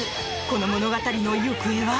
この物語の行方は？